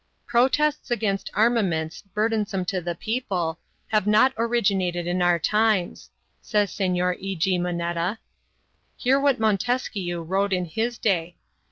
"Protests against armaments, burdensome to the people, have not originated in our times," says Signor E. G. Moneta. "Hear what Montesquieu wrote in his day.